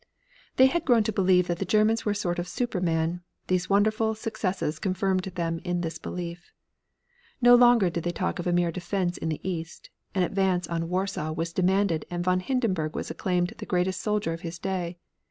They had grown to believe that the Germans were a sort of superman; these wonderful successes confirmed them in this belief. No longer did they talk of a mere defense in the east; an advance on Warsaw was demanded and von Hindenburg was acclaimed the greatest soldier of his day.